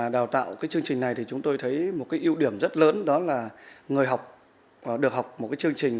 đào tạo chương trình này chúng tôi thấy một ưu điểm rất lớn đó là người học được học một chương trình